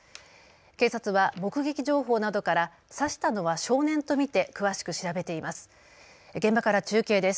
警察は目撃情報などから刺したのは少年と見て詳しく調べています。